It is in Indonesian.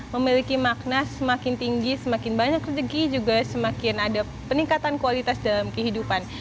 memiliki makna semakin tinggi semakin banyak rezeki juga semakin ada peningkatan kualitas dalam kehidupan